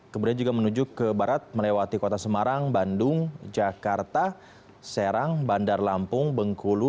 kemudian juga menuju ke barat melewati kota semarang bandung jakarta serang bandar lampung bengkulu